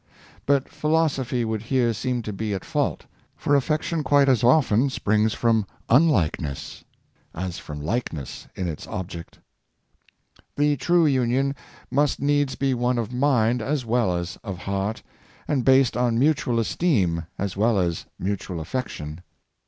But philosophy would here seem to be at fault, for affection quite as often springs from unlike ness as from likeness in its object. The true union must needs be one of mind as well as of heart, and based on mutual esteem as well as mutual affection.